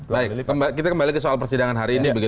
baik kita kembali ke soal persidangan hari ini